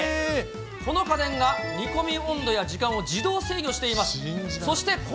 この家電が煮込み温度や時間を自動制御しています。